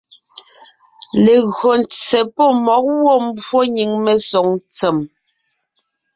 Legÿo ntse pɔ́ mmɔ̌g gwɔ̂ mbwó nyìŋ mesoŋ ntsèm,